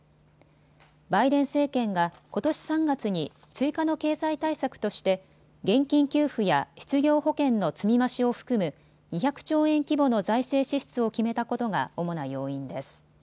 バイデン政権がことし３月に追加の経済対策として現金給付や失業保険の積み増しを含む２００兆円規模の財政支出を決めたことが主な要因です。